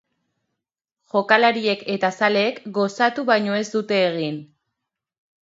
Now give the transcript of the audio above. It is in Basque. Jokalariek eta zaleek gozatu baino ez dute egin.